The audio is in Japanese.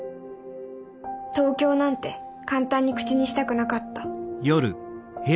「東京」なんて簡単に口にしたくなかった「これはね